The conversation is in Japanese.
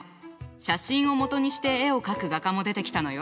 写真を基にして絵を描く画家も出てきたのよ。